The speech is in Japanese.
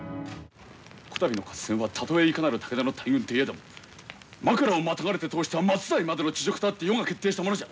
こたびの合戦はたとえいかなる武田の大軍といえども枕をまたがれて通しては末代までの恥辱とあって余が決定したものじゃ。